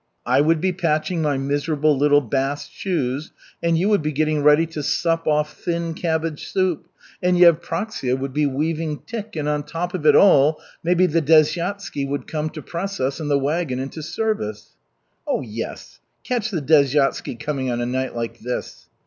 I would be patching my miserable little bast shoes, and you would be getting ready to sup off thin cabbage soup, and Yevpraksia would be weaving tick, and on top of it all, maybe the desyatsky would come to press us and the wagon into service." "Yes, catch the desyatsky coming on a night like this!"